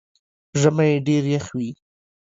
ژمئ ډېر يخ وي